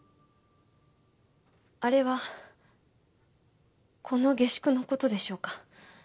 あれはこの下宿の事でしょうか？